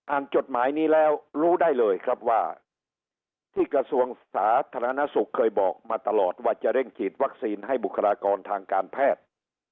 จดหมายนี้แล้วรู้ได้เลยครับว่าที่กระทรวงสาธารณสุขเคยบอกมาตลอดว่าจะเร่งฉีดวัคซีนให้บุคลากรทางการแพทย์